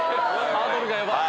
ハードルがヤバい。